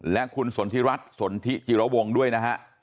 และคุณสนทิรัฐสนทิจิระวงด้วยนะฮะ